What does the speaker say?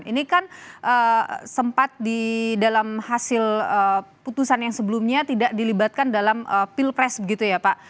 ini kan sempat di dalam hasil putusan yang sebelumnya tidak dilibatkan dalam pilpres begitu ya pak